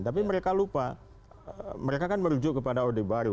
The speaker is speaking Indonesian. tapi mereka lupa mereka kan merujuk kepada orde baru